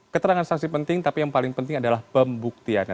keterangan saksi penting tapi yang paling penting adalah pembuktiannya